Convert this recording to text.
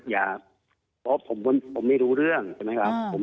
เพราะผมไม่รู้เรื่องใช่ไหมครับ